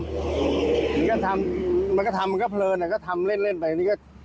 มันก็ทำมันก็ทำมันก็เพลินก็ทำเล่นเล่นไปนี่ก็